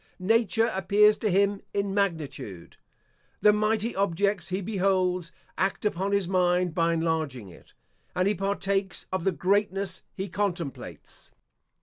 Nature appears to him in magnitude. The mighty objects he beholds, act upon his mind by enlarging it, and he partakes of the greatness he contemplates.